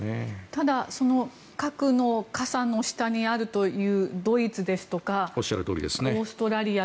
ただ、その核の傘の下にあるというドイツですとかオーストラリア